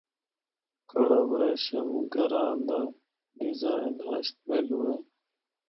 کڑہ ابریشم گراں دا ڈیزین ہشت پہلو ہے۔